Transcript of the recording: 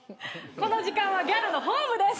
この時間はギャルのホームです。